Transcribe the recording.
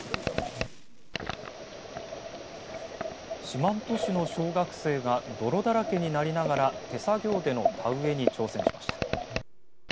四万十市の小学生が泥だらけになりながら手作業での田植えに挑戦しました。